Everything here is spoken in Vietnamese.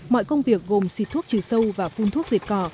mọi công việc gồm xịt thuốc trừ sâu và phun thuốc diệt cỏ